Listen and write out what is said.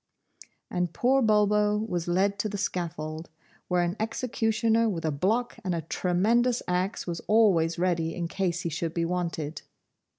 And poor Bulbo was led to the scaffold, where an executioner with a block and a tremendous axe was always ready in case he should be wanted.